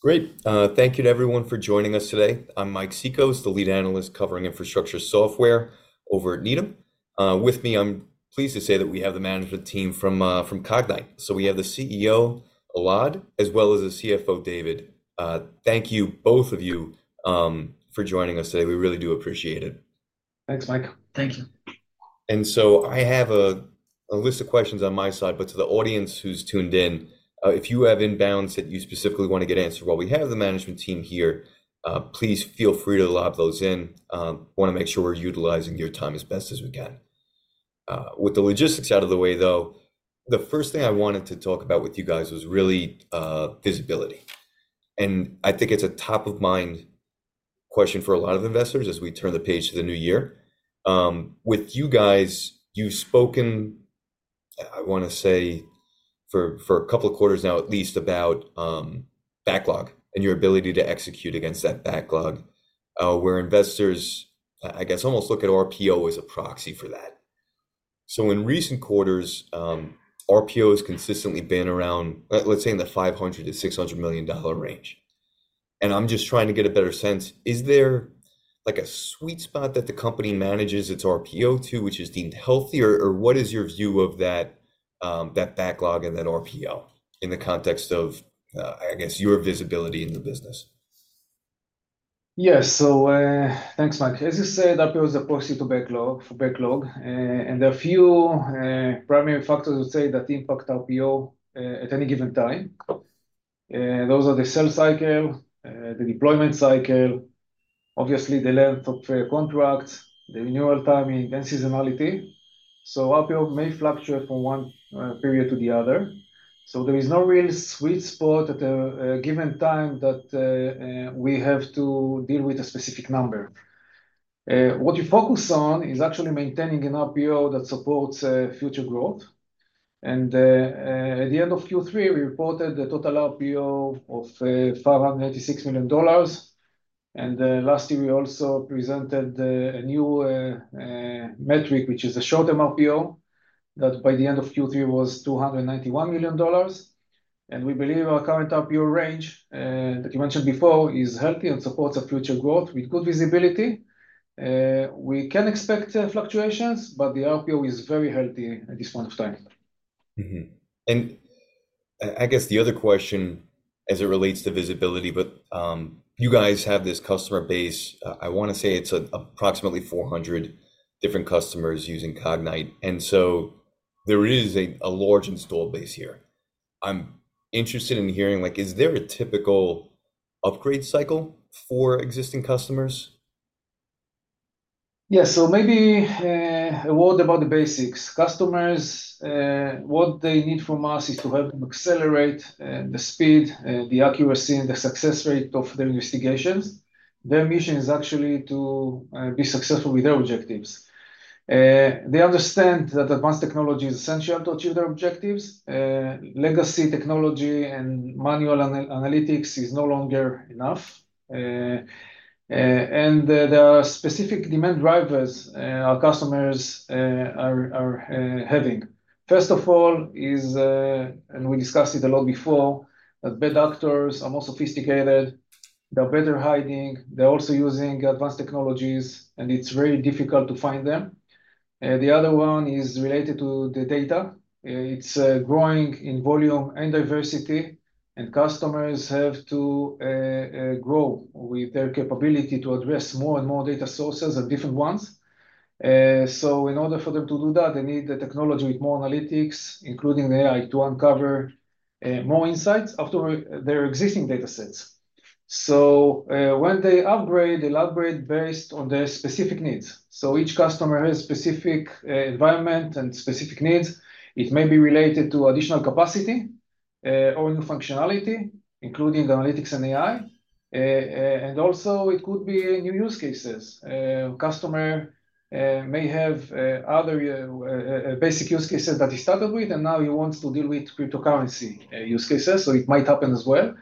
Great. Thank you to everyone for joining us today. I'm Mike Cikos, the lead analyst covering infrastructure software over at Needham. With me, I'm pleased to say that we have the management team from Cognyte. So we have the CEO, Elad, as well as the CFO, David. Thank you, both of you, for joining us today. We really do appreciate it. Thanks, Mike. Thank you. I have a list of questions on my side, but to the audience who's tuned in, if you have inbounds that you specifically want to get answered while we have the management team here, please feel free to lob those in. Wanna make sure we're utilizing your time as best as we can. With the logistics out of the way, though, the first thing I wanted to talk about with you guys was really visibility. I think it's a top-of-mind question for a lot of investors as we turn the page to the new year. With you guys, you've spoken, I wanna say, for a couple of quarters now, at least about backlog and your ability to execute against that backlog, where investors, I guess, almost look at RPO as a proxy for that. In recent quarters, RPO has consistently been around, let's say in the $500 million-$600 million range. I'm just trying to get a better sense, is there like a sweet spot that the company manages its RPO to, which is deemed healthy? Or what is your view of that backlog and that RPO in the context of, I guess, your visibility in the business? Yes. So, thanks, Mike. As you said, RPO is a proxy to backlog, for backlog, and there are a few primary factors I would say that impact RPO at any given time. Those are the sales cycle, the deployment cycle, obviously, the length of contract, the renewal timing, and seasonality. So RPO may fluctuate from one period to the other. So there is no real sweet spot at a given time that we have to deal with a specific number. What you focus on is actually maintaining an RPO that supports future growth. And at the end of Q3, we reported a total RPO of $586 million. Lastly, we also presented a new metric, which is the short-term RPO that by the end of Q3 was $291 million. We believe our current RPO range that you mentioned before is healthy and supports our future growth with good visibility. We can expect fluctuations, but the RPO is very healthy at this point in time. Mm-hmm. I guess the other question as it relates to visibility, but you guys have this customer base. I wanna say it's approximately 400 different customers using Cognyte, and so there is a large installed base here. I'm interested in hearing, like, is there a typical upgrade cycle for existing customers? Yeah. So maybe, a word about the basics. Customers, what they need from us is to help them accelerate, the speed, the accuracy, and the success rate of their investigations. Their mission is actually to, be successful with their objectives. They understand that advanced technology is essential to achieve their objectives. Legacy technology and manual analytics is no longer enough. And there are specific demand drivers, our customers are having. First of all, and we discussed it a lot before, that bad actors are more sophisticated, they're better hiding, they're also using advanced technologies, and it's very difficult to find them. The other one is related to the data. It's growing in volume and diversity, and customers have to grow with their capability to address more and more data sources and different ones. So in order for them to do that, they need a technology with more analytics, including AI, to uncover more insights after their existing data sets. So when they upgrade, they'll upgrade based on their specific needs. So each customer has specific environment and specific needs. It may be related to additional capacity or new functionality, including analytics and AI. And also it could be new use cases. Customer may have other basic use cases that he started with, and now he wants to deal with cryptocurrency use cases, so it might happen as well.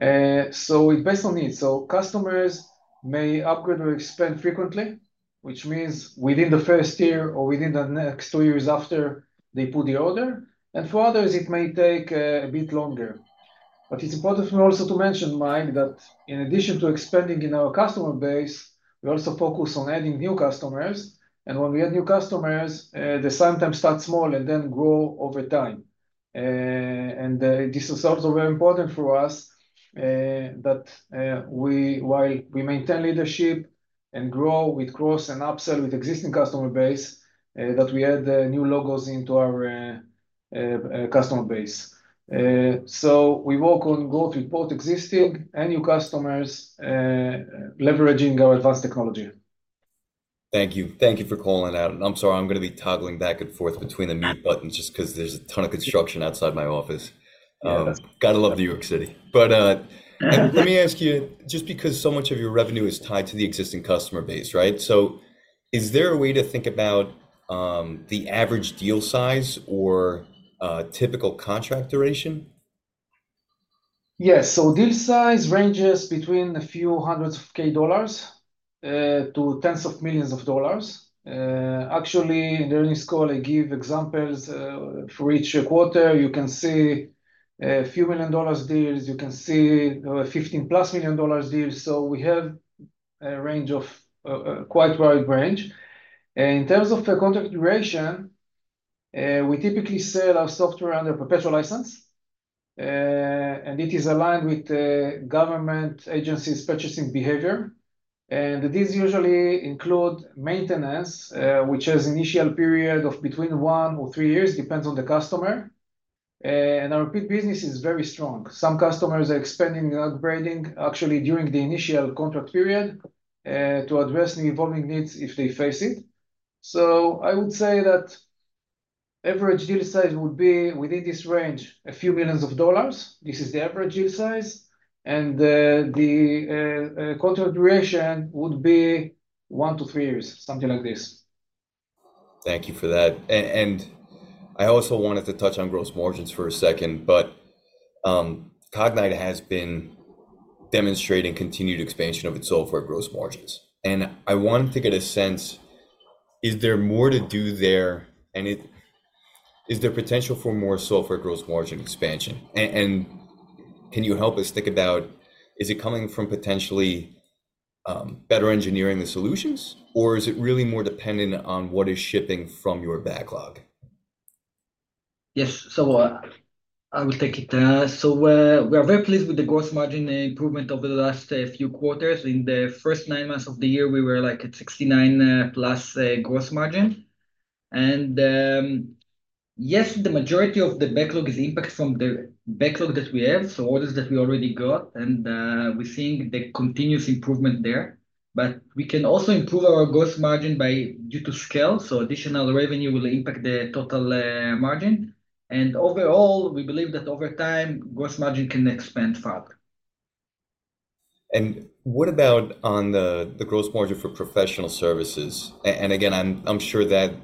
So it based on needs. So customers may upgrade or expand frequently, which means within the first year or within the next two years after they put the order, and for others, it may take a bit longer. But it's important for me also to mention, Mike, that in addition to expanding in our customer base, we also focus on adding new customers. And when we add new customers, they sometimes start small and then grow over time. And this is also very important for us, that while we maintain leadership and grow with cross and upsell with existing customer base, that we add new logos into our customer base. So we work on growth with both existing and new customers, leveraging our advanced technology. Thank you. Thank you for calling that out. I'm sorry, I'm gonna be toggling back and forth between the mute buttons just 'cause there's a ton of construction outside my office. Yeah, that's- Gotta love New York City. But, let me ask you, just because so much of your revenue is tied to the existing customer base, right? So is there a way to think about the average deal size or typical contract duration? Yes. So deal size ranges between a few $100K to tens of million dollar. Actually, in the earnings call, I give examples for each quarter. You can see a few million dollar deals. You can see 15+ million dollar deals. So we have a range of quite wide range. In terms of the contract duration, we typically sell our software under perpetual license, and it is aligned with the government agencies' purchasing behavior. And these usually include maintenance, which has initial period of between one or three years, depends on the customer. And our repeat business is very strong. Some customers are expanding, upgrading, actually, during the initial contract period, to address the evolving needs if they face it. I would say that average deal size would be within this range, a few millions of dollar. This is the average deal size, and the contract duration would be one to three years, something like this. Thank you for that. And I also wanted to touch on gross margins for a second, but Cognyte has been demonstrating continued expansion of its software gross margins. And I wanted to get a sense, is there more to do there, and is there potential for more software gross margin expansion? And can you help us think about, is it coming from potentially better engineering the solutions, or is it really more dependent on what is shipping from your backlog? Yes. So, I will take it. So, we are very pleased with the gross margin improvement over the last few quarters. In the first nine months of the year, we were, like, at 69%+ gross margin. And, yes, the majority of the backlog is impact from the backlog that we have, so orders that we already got, and we're seeing the continuous improvement there. But we can also improve our gross margin by due to scale, so additional revenue will impact the total margin. And overall, we believe that over time, gross margin can expand further. And what about on the gross margin for professional services? And again, I'm sure that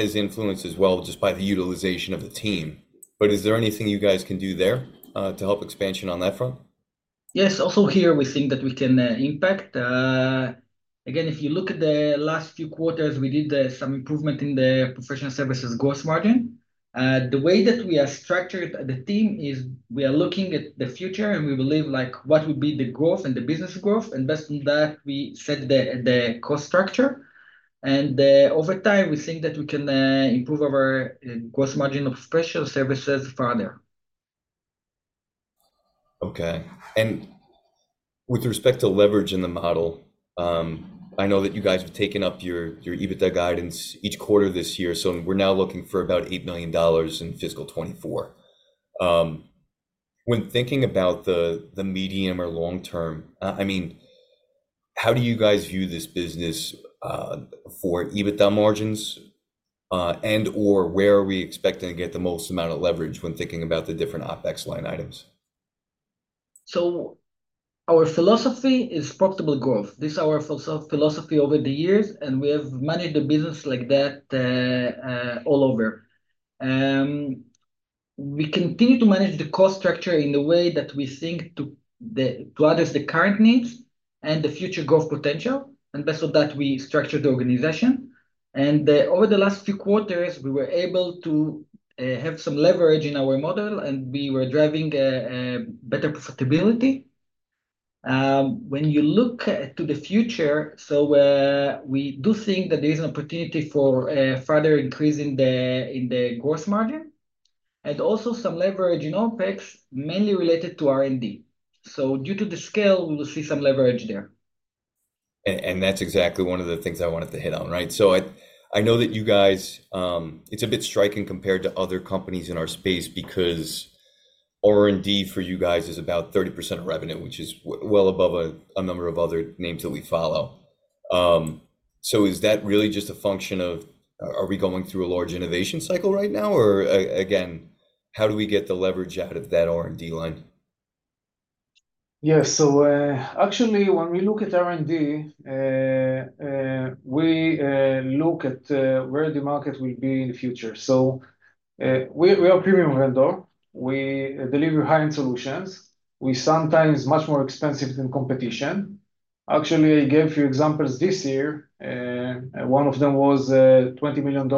is influenced as well just by the utilization of the team. But is there anything you guys can do there to help expansion on that front? Yes. Also here, we think that we can impact. Again, if you look at the last few quarters, we did some improvement in the professional services gross margin. The way that we are structured the team is we are looking at the future, and we believe, like, what would be the growth and the business growth, and based on that, we set the cost structure. And over time, we think that we can improve our gross margin of professional services further. Okay. With respect to leverage in the model, I know that you guys have taken up your EBITDA guidance each quarter this year, so we're now looking for about $8 million in fiscal 2024. When thinking about the medium or long term, I mean, how do you guys view this business for EBITDA margins, and/or where are we expecting to get the most amount of leverage when thinking about the different OpEx line items? Our philosophy is profitable growth. This is our philosophy over the years, and we have managed the business like that all over. We continue to manage the cost structure in the way that we think to address the current needs and the future growth potential, and based on that, we structure the organization. Over the last few quarters, we were able to have some leverage in our model, and we were driving better profitability. When you look to the future, we do think that there is an opportunity for further increase in the gross margin, and also some leverage in OpEx, mainly related to R&D. Due to the scale, we will see some leverage there. And that's exactly one of the things I wanted to hit on, right? So I, I know that you guys. It's a bit striking compared to other companies in our space because R&D for you guys is about 30% of revenue, which is well above a number of other names that we follow. So is that really just a function of, are we going through a large innovation cycle right now, or again, how do we get the leverage out of that R&D line? Yeah. So, actually, when we look at R&D, we look at where the market will be in the future. So, we are a premium vendor. We deliver high-end solutions. We sometimes much more expensive than competition. Actually, I gave a few examples this year, and one of them was a $20 million+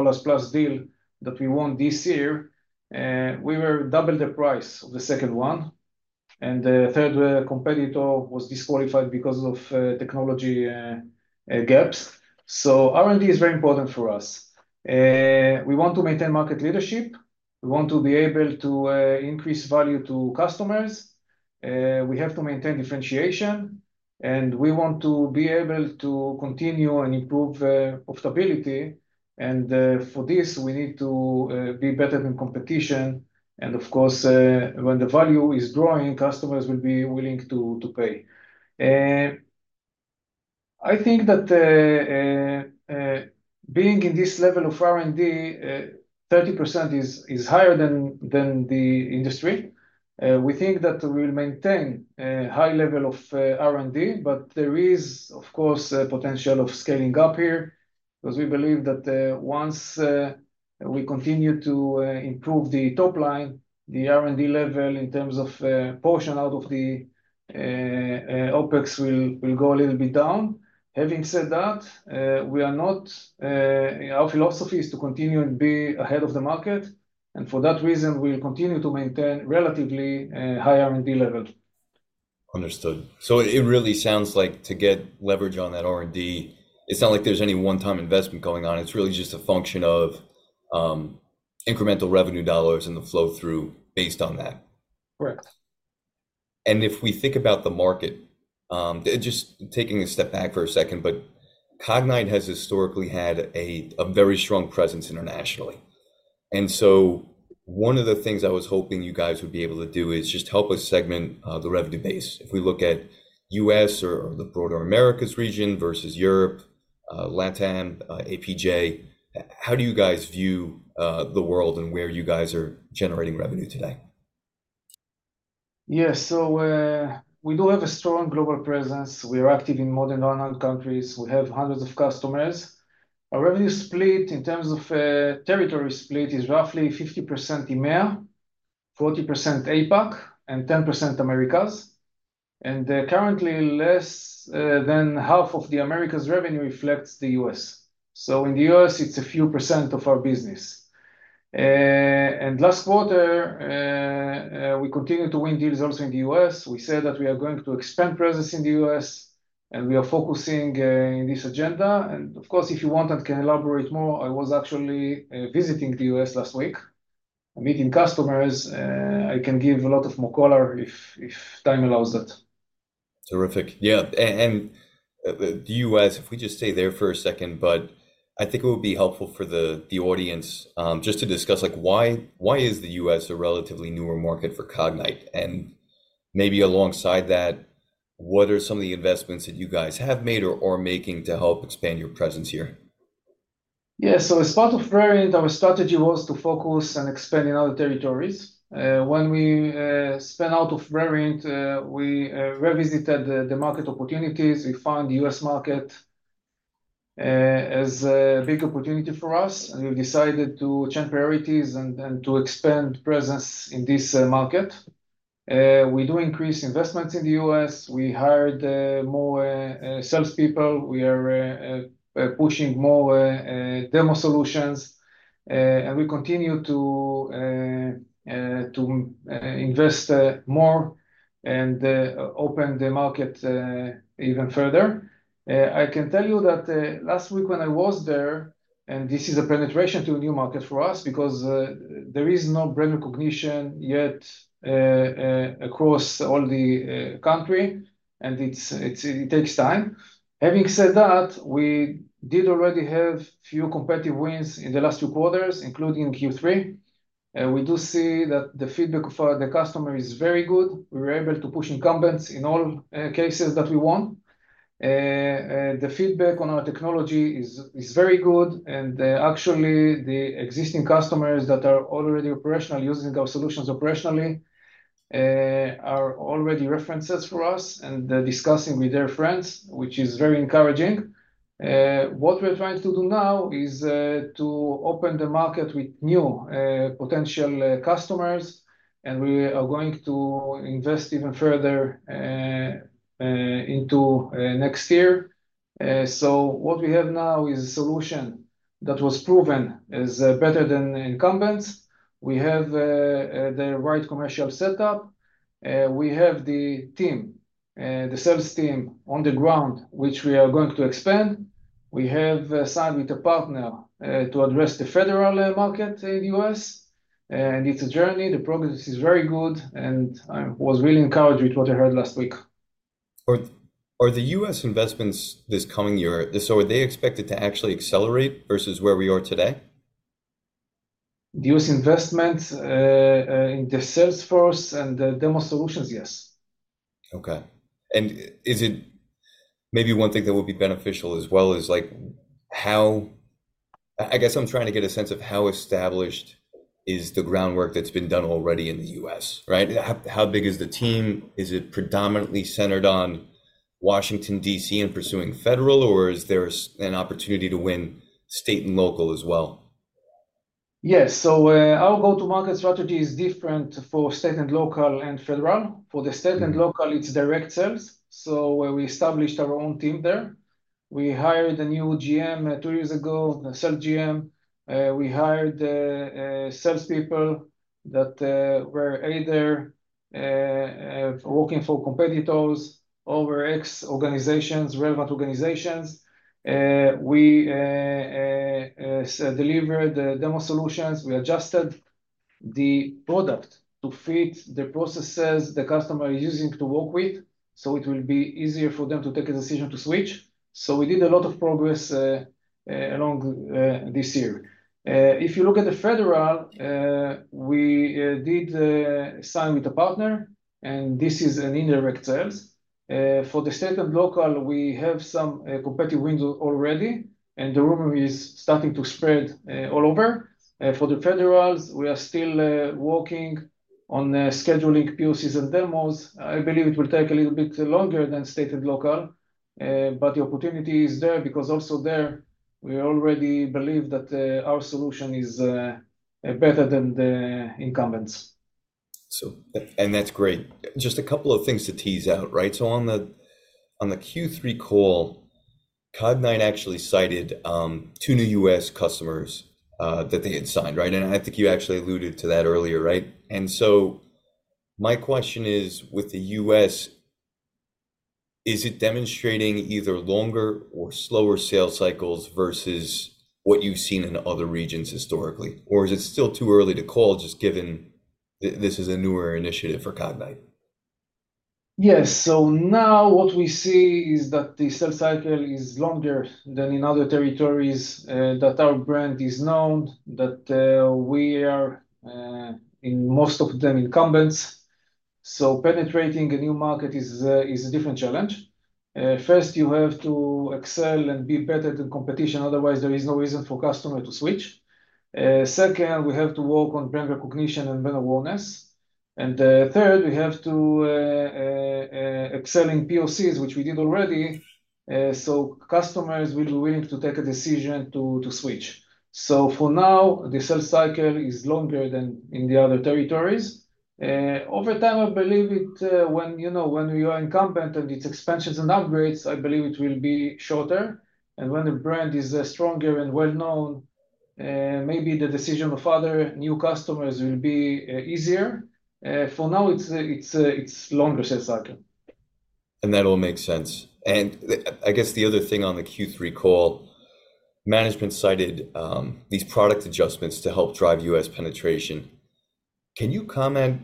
deal that we won this year, we were double the price of the second one, and the third competitor was disqualified because of technology gaps. So R&D is very important for us. We want to maintain market leadership, we want to be able to increase value to customers, we have to maintain differentiation, and we want to be able to continue and improve profitability, and for this, we need to be better than competition. And of course, when the value is growing, customers will be willing to pay. I think that, being in this level of R&D, 30% is higher than the industry. We think that we will maintain a high level of R&D, but there is, of course, a potential of scaling up here.... Because we believe that, once we continue to improve the top line, the R&D level in terms of portion out of the OpEx will go a little bit down. Having said that, we are not... Our philosophy is to continue and be ahead of the market, and for that reason, we'll continue to maintain relatively high R&D level. Understood. So it really sounds like to get leverage on that R&D, it's not like there's any one-time investment going on, it's really just a function of incremental revenue dollars and the flow-through based on that. Correct. If we think about the market, just taking a step back for a second, but Cognyte has historically had a very strong presence internationally. And so one of the things I was hoping you guys would be able to do is just help us segment the revenue base. If we look at U.S. or the broader Americas region versus Europe, LATAM, APAC, how do you guys view the world and where you guys are generating revenue today? Yeah. So, we do have a strong global presence. We are active in more than 100 countries. We have hundreds of customers. Our revenue split in terms of territory split is roughly 50% EMEA, 40% APAC, and 10% Americas. And currently, less than half of the Americas revenue reflects the U.S.. So in the U.S., it's a few % of our business. And last quarter, we continued to win deals also in the U.S.. We said that we are going to expand presence in the U.S., and we are focusing in this agenda. And of course, if you want, I can elaborate more. I was actually visiting the U.S. last week and meeting customers. I can give a lot of more color if time allows that. Terrific. Yeah. And the U.S., if we just stay there for a second, but I think it would be helpful for the audience just to discuss, like, why is the U.S. a relatively newer market for Cognyte? And maybe alongside that, what are some of the investments that you guys have made or making to help expand your presence here? Yeah. So as part of Verint, our strategy was to focus on expanding other territories. When we spun out of Verint, we revisited the market opportunities. We found the U.S. market as a big opportunity for us, and we've decided to change priorities and to expand presence in this market. We do increase investments in the U.S. We hired more salespeople. We are pushing more demo solutions, and we continue to invest more and open the market even further. I can tell you that last week when I was there, and this is a penetration to a new market for us because there is no brand recognition yet across all the country, and it takes time. Having said that, we did already have few competitive wins in the last two quarters, including Q3, we do see that the feedback for the customer is very good. We were able to push incumbents in all cases that we won. The feedback on our technology is very good, and actually, the existing customers that are already operational, using our solutions operationally, are already references for us, and they're discussing with their friends, which is very encouraging. What we're trying to do now is to open the market with new potential customers, and we are going to invest even further into next year. So what we have now is a solution that was proven as better than the incumbents. We have the right commercial setup, we have the team, the sales team on the ground, which we are going to expand. We have signed with a partner to address the federal market in the U.S., and it's a journey. The progress is very good, and I was really encouraged with what I heard last week. Are the U.S. investments this coming year, so are they expected to actually accelerate versus where we are today? The U.S. investments in the sales force and the demo solutions, yes. Okay. And is it maybe one thing that would be beneficial as well is, like, how I guess I'm trying to get a sense of how established is the groundwork that's been done already in the U.S., right? How big is the team? Is it predominantly centered on Washington, D.C., and pursuing federal, or is there an opportunity to win state and local as well? Yes. So, our go-to-market strategy is different for state and local, and federal. For the state and local, it's direct sales, so we established our own team there. We hired a new GM, two years ago, a sales GM. We hired salespeople that were either working for competitors or ex organizations, relevant organizations. We delivered the demo solutions. We adjusted the product to fit the processes the customer is using to work with, so it will be easier for them to take a decision to switch. So we did a lot of progress along this year. If you look at the federal, we did sign with a partner, and this is an indirect sales. For the state and local, we have some competitive wins already, and the rumor is starting to spread all over. For the federals, we are still working on the scheduling POCs and demos. I believe it will take a little bit longer than state and local, but the opportunity is there because also there, we already believe that our solution is better than the incumbents. And that's great. Just a couple of things to tease out, right? So on the Q3 call, Cognyte actually cited two new U.S. customers that they had signed, right? And I think you actually alluded to that earlier, right? And so my question is, with the U.S., is it demonstrating either longer or slower sales cycles versus what you've seen in other regions historically? Or is it still too early to call, just given this is a newer initiative for Cognyte? Yes. So now what we see is that the sales cycle is longer than in other territories, that our brand is known, that we are in most of the incumbents. So penetrating a new market is a different challenge. First, you have to excel and be better than competition, otherwise, there is no reason for customer to switch. Second, we have to work on brand recognition and brand awareness. And third, we have to excel in POCs, which we did already, so customers will be willing to take a decision to switch. So for now, the sales cycle is longer than in the other territories. Over time, I believe it when you know, when we are incumbent, and it's expansions and upgrades, I believe it will be shorter. When the brand is stronger and well-known, maybe the decision of other new customers will be easier. For now, it's a longer sales cycle. That all makes sense. I guess the other thing on the Q3 call, management cited these product adjustments to help drive U.S. penetration. Can you comment,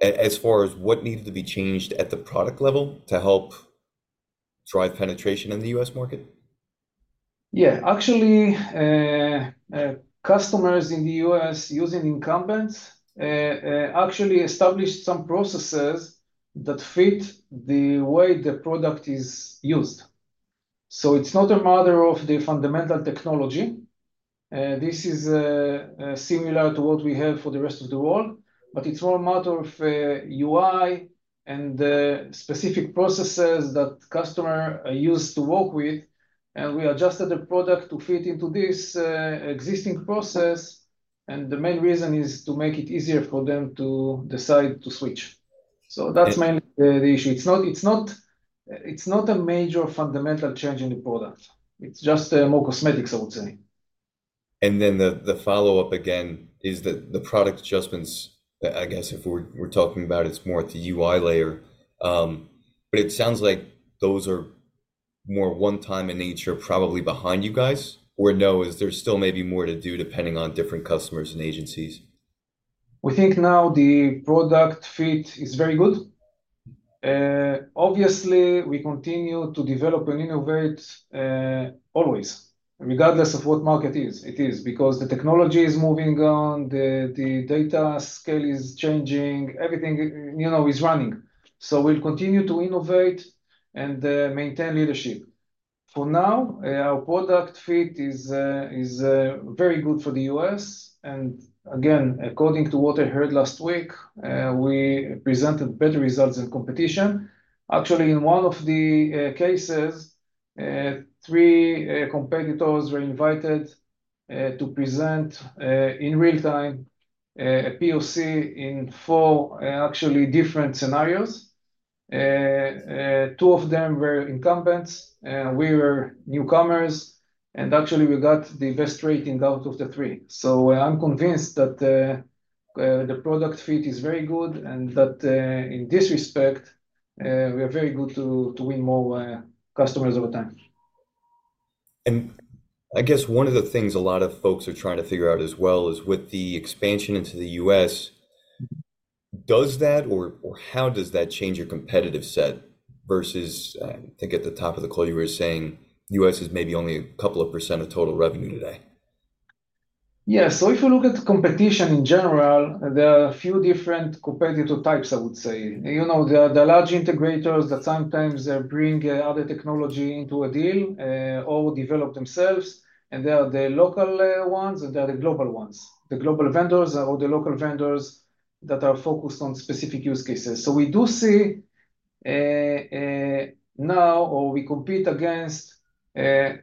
as far as what needs to be changed at the product level to help drive penetration in the U.S. market? Yeah. Actually, customers in the U.S. using incumbents, actually established some processes that fit the way the product is used. So it's not a matter of the fundamental technology, this is similar to what we have for the rest of the world, but it's more a matter of, UI and the specific processes that customers are used to work with, and we adjusted the product to fit into this, existing process, and the main reason is to make it easier for them to decide to switch. Yeah. So that's mainly the issue. It's not, it's not, it's not a major fundamental change in the product. It's just more cosmetics, I would say. And then the follow-up again is that the product adjustments, I guess if we're talking about it's more at the UI layer, but it sounds like those are more one-time in nature, probably behind you guys, or no, is there still may be more to do, depending on different customers and agencies? We think now the product fit is very good. Obviously, we continue to develop and innovate always, regardless of what market is. It is because the technology is moving on, the data scale is changing, everything, you know, is running. So we'll continue to innovate and maintain leadership. For now, our product fit is very good for the U.S., and again, according to what I heard last week, we presented better results in competition. Actually, in one of the cases, three competitors were invited to present in real time a POC in four actually different scenarios. Two of them were incumbents, we were newcomers, and actually we got the best rating out of the three. So I'm convinced that the product fit is very good and that in this respect we are very good to win more customers over time. I guess one of the things a lot of folks are trying to figure out as well is with the expansion into the U.S., does that, or how does that change your competitive set versus, I think at the top of the call, you were saying U.S. is maybe only a couple of percentage of total revenue today? Yeah. So if you look at the competition in general, there are a few different competitive types, I would say. You know, there are the large integrators that sometimes bring other technology into a deal or develop themselves, and there are the local ones, and there are the global ones. The global vendors or the local vendors that are focused on specific use cases. So we do see now, or we compete against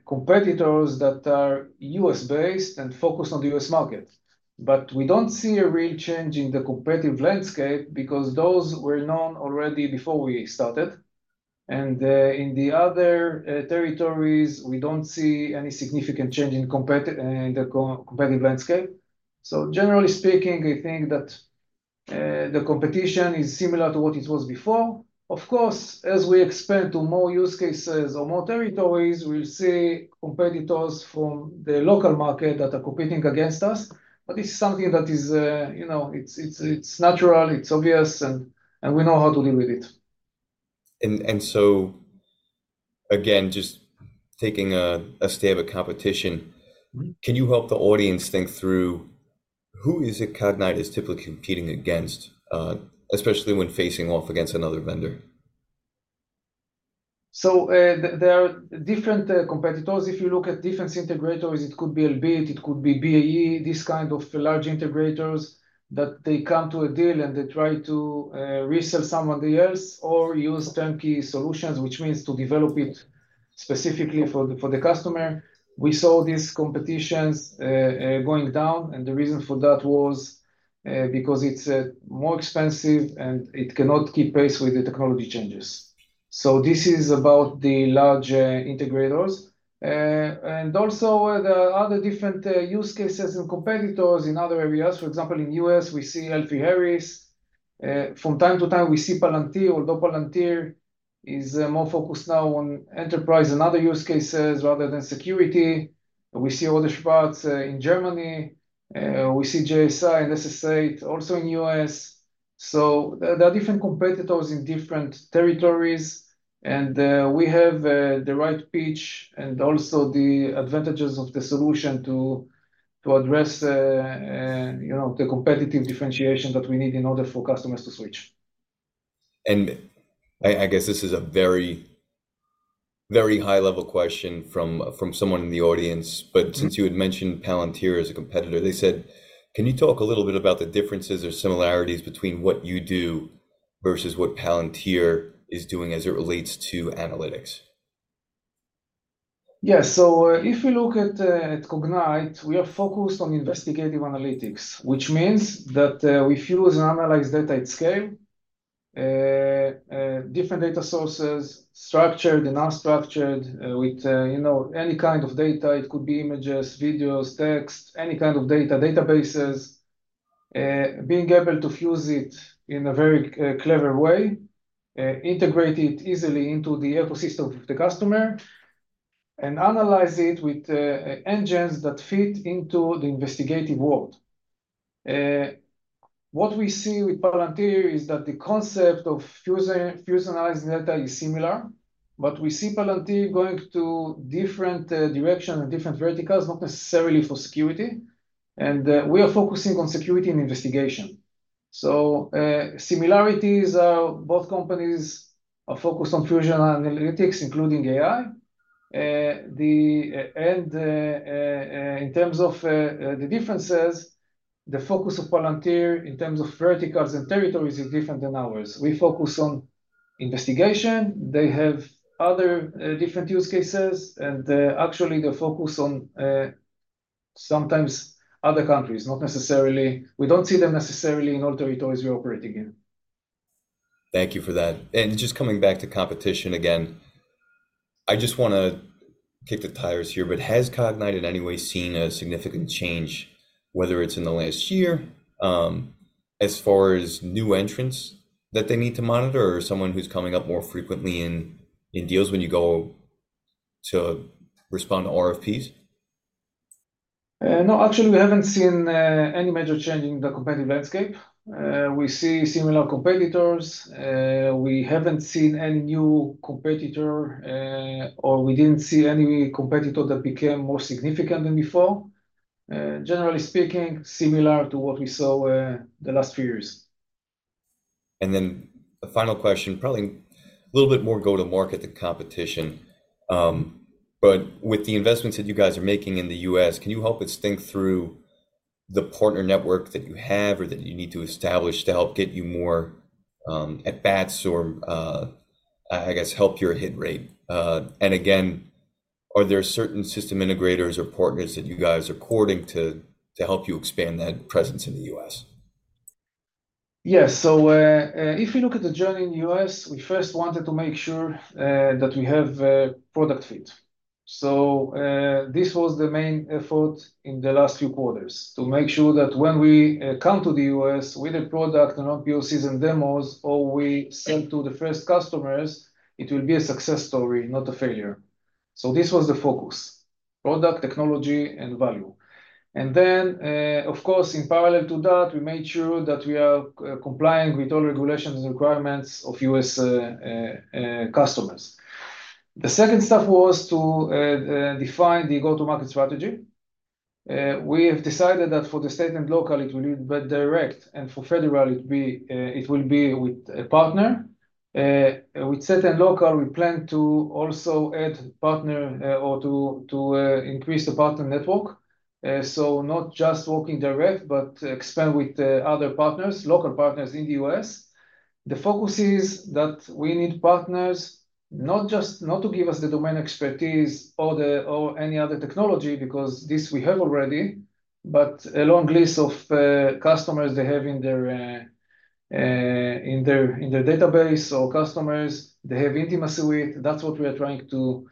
competitors that are U.S.-based and focused on the U.S. market. But we don't see a real change in the competitive landscape because those were known already before we started. And in the other territories, we don't see any significant change in competitive, in the competitive landscape. So generally speaking, I think that the competition is similar to what it was before. Of course, as we expand to more use cases or more territories, we'll see competitors from the local market that are competing against us, but it's something that is, you know, it's natural, it's obvious, and we know how to deal with it. So again, just taking a state of a competition- Mm-hmm. Can you help the audience think through, who is it Cognyte is typically competing against, especially when facing off against another vendor?... So, there are different competitors. If you look at different integrators, it could be Elbit, it could be BAE, these kind of large integrators, that they come to a deal and they try to resell somebody else or use turnkey solutions, which means to develop it specifically for the, for the customer. We saw these competitions going down, and the reason for that was because it's more expensive, and it cannot keep pace with the technology changes. So this is about the large integrators. And also there are other different use cases and competitors in other areas. For example, in U.S., we see L3Harris. From time to time we see Palantir, although Palantir is more focused now on enterprise and other use cases rather than security. We see other Plath in Germany. We see JSI and SS8 also in U.S. So there are different competitors in different territories, and we have the right pitch and also the advantages of the solution to address, you know, the competitive differentiation that we need in order for customers to switch. I guess this is a very, very high-level question from someone in the audience, but- Mm-hmm. Since you had mentioned Palantir as a competitor, they said, "Can you talk a little bit about the differences or similarities between what you do versus what Palantir is doing as it relates to analytics? Yeah. So, if you look at, at Cognyte, we are focused on investigative analytics, which means that, we fuse and analyze data at scale. Different data sources, structured and unstructured, with, you know, any kind of data. It could be images, videos, text, any kind of data, databases. Being able to fuse it in a very, clever way, integrate it easily into the ecosystem of the customer, and analyze it with, engines that fit into the investigative world. What we see with Palantir is that the concept of fusing, fuse analyzing data is similar, but we see Palantir going to different, direction and different verticals, not necessarily for security, and, we are focusing on security and investigation. So, similarities are both companies are focused on fusion analytics, including AI. In terms of the differences, the focus of Palantir in terms of verticals and territories is different than ours. We focus on investigation. They have other, different use cases, and actually they focus on sometimes other countries, not necessarily. We don't see them necessarily in all territories we operate in. Thank you for that. Just coming back to competition again, I just want to kick the tires here, but has Cognyte in any way seen a significant change, whether it's in the last year, as far as new entrants that they need to monitor, or someone who's coming up more frequently in deals when you go to respond to RFPs? No, actually, we haven't seen any major change in the competitive landscape. We see similar competitors. We haven't seen any new competitor, or we didn't see any competitor that became more significant than before. Generally speaking, similar to what we saw, the last few years. And then the final question, probably a little bit more go to market than competition, but with the investments that you guys are making in the U.S., can you help us think through the partner network that you have or that you need to establish to help get you more, at bats, or, I guess, help your hit rate? And again, are there certain system integrators or partners that you guys are courting to help you expand that presence in the U.S.? Yes. So, if you look at the journey in the U.S., we first wanted to make sure that we have a product fit. So, this was the main effort in the last few quarters, to make sure that when we come to the U.S. with a product and our POCs and demos, or we sell to the first customers, it will be a success story, not a failure. So this was the focus: product, technology, and value. And then, of course, in parallel to that, we made sure that we are complying with all regulations and requirements of U.S. customers. The second step was to define the go-to-market strategy. We have decided that for the state and local, it will be direct, and for federal, it will be with a partner. With state and local, we plan to also add partner or to increase the partner network. So not just working direct, but expand with the other partners, local partners in the U.S. The focus is that we need partners not just... not to give us the domain expertise or any other technology, because this we have already, but a long list of customers they have in their database, or customers they have intimacy with, that's what we are trying to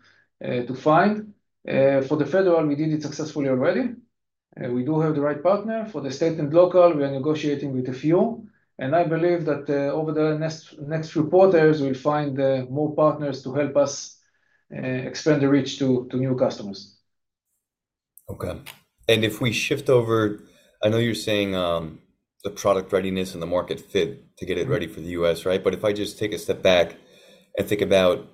find. For the federal, we did it successfully already, we do have the right partner. For the state and local, we are negotiating with a few, and I believe that, over the next few quarters, we'll find more partners to help us expand the reach to new customers. Okay. And if we shift over, I know you're saying the product readiness and the market fit to get it ready for the U.S., right? But if I just take a step back and think about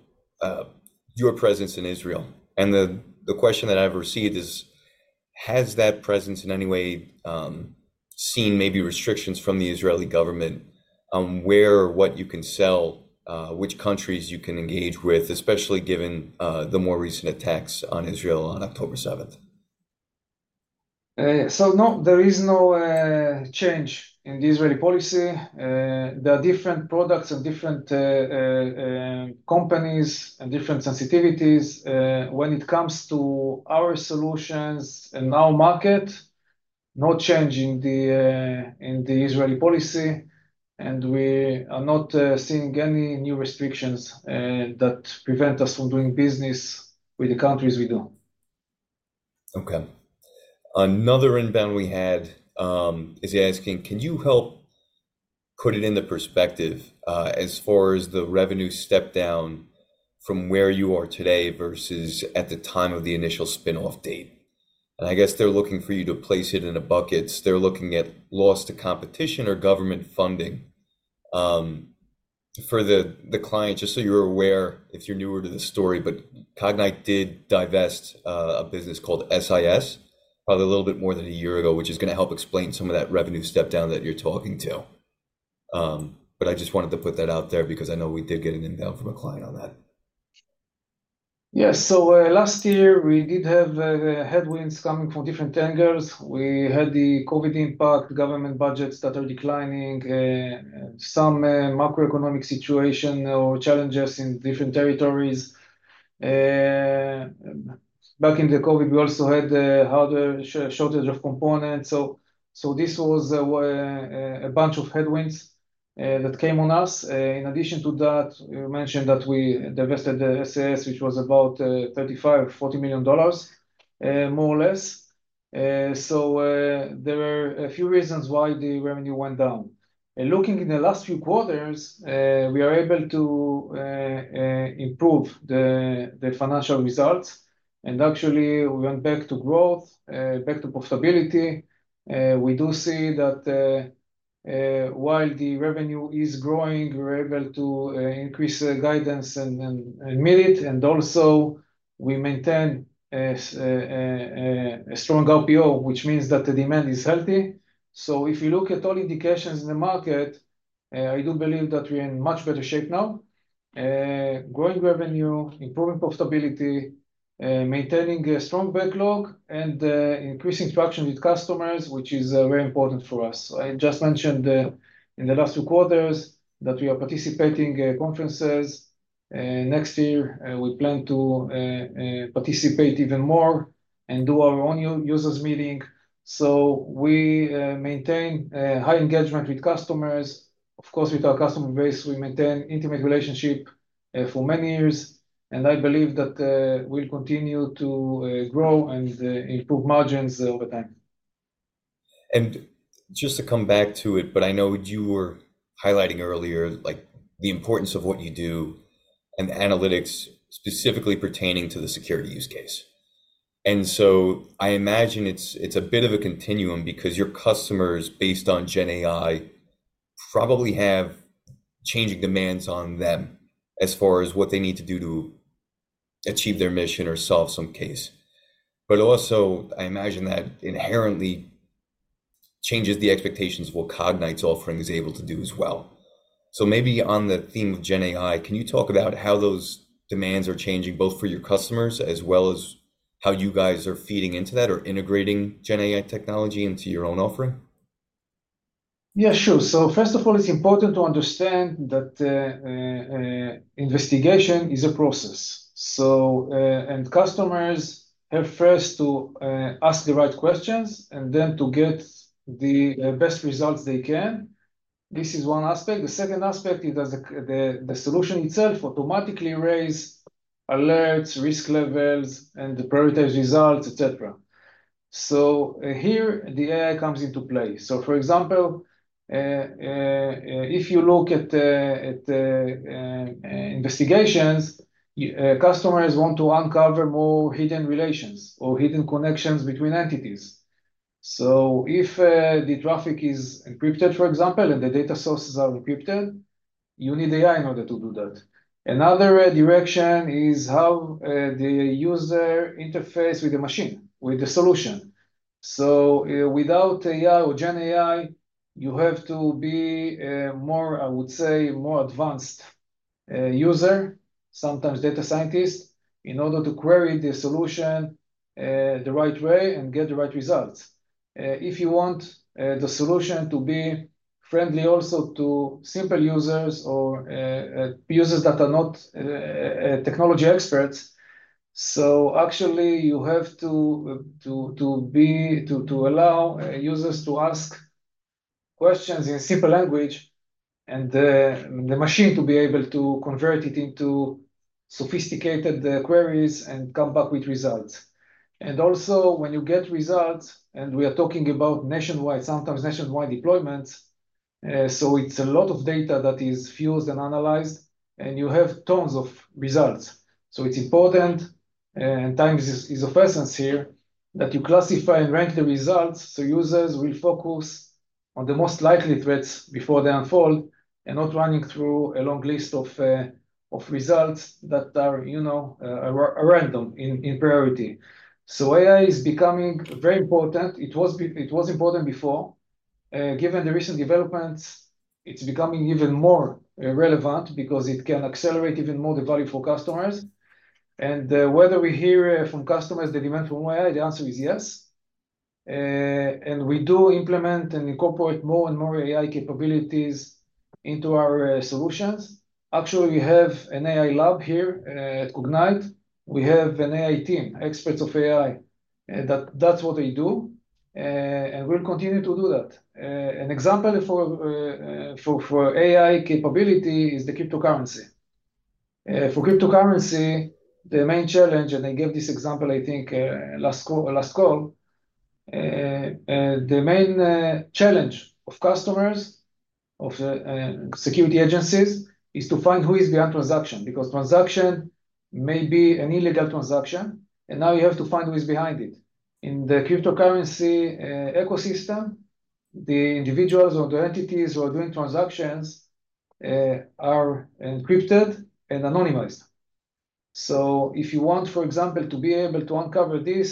your presence in Israel, and the question that I've received is... Has that presence in any way seen maybe restrictions from the Israeli government on where or what you can sell, which countries you can engage with, especially given the more recent attacks on Israel on October seventh? So no, there is no change in the Israeli policy. There are different products and different companies and different sensitivities. When it comes to our solutions and our market, no change in the Israeli policy, and we are not seeing any new restrictions that prevent us from doing business with the countries we do. Okay. Another inbound we had is asking: Can you help put it into perspective as far as the revenue step down from where you are today versus at the time of the initial spin-off date? And I guess they're looking for you to place it in a bucket. They're looking at loss to competition or government funding. For the client, just so you're aware, if you're newer to the story, but Cognyte did divest a business called SIS, probably a little bit more than a year ago, which is gonna help explain some of that revenue step down that you're talking to. But I just wanted to put that out there because I know we did get an email from a client on that. Yes. So, last year, we did have headwinds coming from different angles. We had the COVID impact, government budgets that are declining, some macroeconomic situation or challenges in different territories. Back in the COVID, we also had a harder shortage of components. So, this was a bunch of headwinds that came on us. In addition to that, you mentioned that we divested the SIS, which was about $35-$40 million, more or less. So, there were a few reasons why the revenue went down. And looking in the last few quarters, we are able to improve the financial results, and actually, we went back to growth, back to profitability. We do see that, while the revenue is growing, we're able to increase the guidance and meet it, and also we maintain a strong RPO, which means that the demand is healthy. So if you look at all indications in the market, I do believe that we're in much better shape now. Growing revenue, improving profitability, maintaining a strong backlog, and increasing traction with customers, which is very important for us. I just mentioned in the last two quarters, that we are participating conferences. Next year, we plan to participate even more and do our own users meeting. So we maintain high engagement with customers. Of course, with our customer base, we maintain intimate relationship for many years, and I believe that we'll continue to grow and improve margins over time. Just to come back to it, but I know you were highlighting earlier, like, the importance of what you do and the analytics specifically pertaining to the security use case. So I imagine it's, it's a bit of a continuum because your customers, based on GenAI, probably have changing demands on them as far as what they need to do to achieve their mission or solve some case. But also, I imagine that inherently changes the expectations of what Cognyte's offering is able to do as well. Maybe on the theme of GenAI, can you talk about how those demands are changing, both for your customers as well as how you guys are feeding into that, or integrating GenAI technology into your own offering? Yeah, sure. So first of all, it's important to understand that investigation is a process. So, customers have first to ask the right questions and then to get the best results they can. This is one aspect. The second aspect is does the solution itself automatically raise alerts, risk levels, and the prioritized results, et cetera. So, here, the AI comes into play. So, for example, if you look at the investigations, customers want to uncover more hidden relations or hidden connections between entities. So if the traffic is encrypted, for example, and the data sources are encrypted, you need AI in order to do that. Another direction is how the user interface with the machine, with the solution. So, without AI or GenAI, you have to be more, I would say, more advanced user, sometimes data scientist, in order to query the solution the right way and get the right results. If you want the solution to be friendly also to simple users or users that are not technology experts, so actually you have to allow users to ask questions in simple language, and the machine to be able to convert it into sophisticated queries and come back with results. And also, when you get results, and we are talking about nationwide, sometimes nationwide deployments, so it's a lot of data that is fused and analyzed, and you have tons of results. So it's important, and time is of essence here, that you classify and rank the results, so users will focus on the most likely threats before they unfold, and not running through a long list of results that are, you know, random in priority. So AI is becoming very important. It was important before. Given the recent developments, it's becoming even more relevant because it can accelerate even more the value for customers. And whether we hear from customers the demand from AI, the answer is yes. And we do implement and incorporate more and more AI capabilities into our solutions. Actually, we have an AI lab here at Cognyte. We have an AI team, experts of AI, that's what they do, and we'll continue to do that. An example for AI capability is the cryptocurrency. For cryptocurrency, the main challenge, and I gave this example, I think, last call, the main challenge of customers of security agencies, is to find who is behind transaction, because transaction may be an illegal transaction, and now you have to find who is behind it. In the cryptocurrency ecosystem, the individuals or the entities who are doing transactions are encrypted and anonymized. So if you want, for example, to be able to uncover this,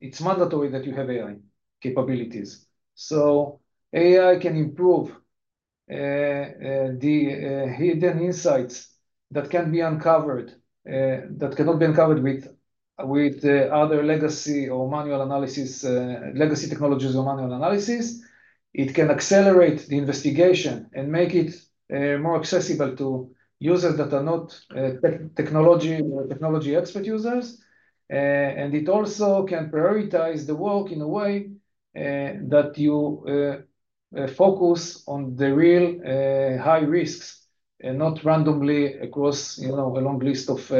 it's mandatory that you have AI capabilities. So AI can improve the hidden insights that can be uncovered that cannot be uncovered with the other legacy or manual analysis, legacy technologies or manual analysis. It can accelerate the investigation and make it more accessible to users that are not technology expert users. And it also can prioritize the work in a way that you focus on the real high risks and not randomly across, you know, a long list of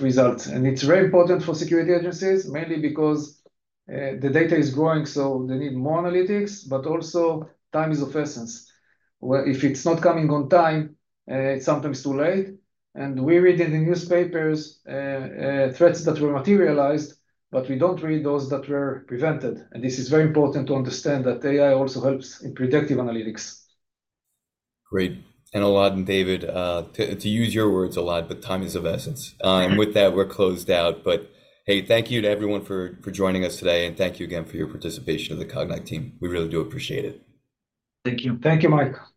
results. And it's very important for security agencies, mainly because the data is growing, so they need more analytics, but also time is of essence, where if it's not coming on time, it's sometimes too late. And we read in the newspapers threats that were materialized, but we don't read those that were prevented. And this is very important to understand that AI also helps in predictive analytics. Great. Elad and David, to use your words a lot, but time is of essence. Mm-hmm. And with that, we're closed out. But hey, thank you to everyone for joining us today, and thank you again for your participation of the Cognyte team. We really do appreciate it. Thank you. Thank you, Mike.